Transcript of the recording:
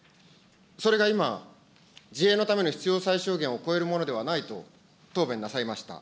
それが今、自衛のための必要最小限を超えるものではないと、答弁なさいました。